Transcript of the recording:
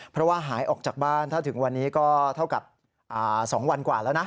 เพราะว่าหายออกจากบ้านถ้าถึงวันนี้ก็เท่ากับ๒วันกว่าแล้วนะ